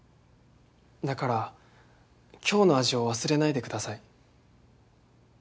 だから今日の味を忘れないでください。